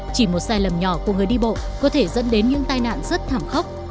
chỉ một sai lầm nhỏ của người đi bộ có thể dẫn đến những tai nạn rất thảm khốc